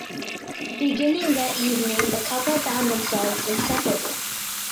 Beginning that evening the couple found themselves inseparable.